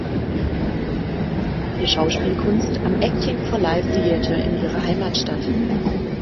Sie lernte Schauspielkunst am Acting for Life Theatre in ihrer Heimatstadt.